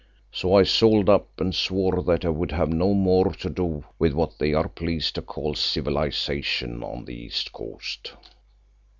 So I sold up and swore that I would have no more to do with what they are pleased to call civilisation on the East Coast.